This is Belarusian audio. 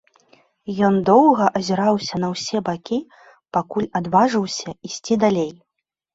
Ён доўга азіраўся на ўсе бакі, пакуль адважыўся ісці далей.